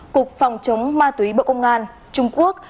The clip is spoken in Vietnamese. cục phòng chống ma túy bộ công an trung quốc